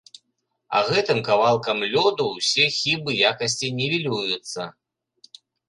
А гэтым кавалкам лёду ўсе хібы якасці нівелююцца.